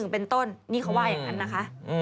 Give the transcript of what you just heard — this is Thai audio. เป็นต้นนี่เขาว่าอย่างนั้นนะคะ